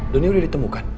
doni udah ditemukan